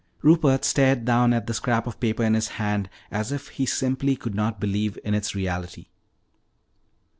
Rupert stared down at the scrap of paper in his hand as if he simply could not believe in its reality.